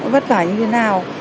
vất vả như thế nào